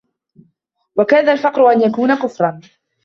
وَكَادَ الْفَقْرُ أَنْ يَكُونَ كُفْرًا